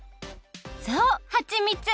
そうはちみつ！